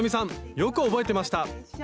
よく覚えてました！